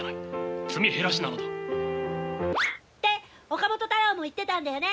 岡本太郎も言ってたんだよね！